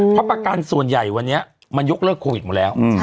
เพราะประกันส่วนใหญ่วันนี้มันยกเลิกโควิดหมดแล้ว